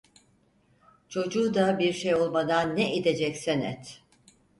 Çocuğu da bir şey olmadan ne ideceksen et!